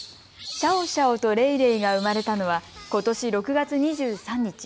シャオシャオとレイレイが生まれたのはことし６月２３日。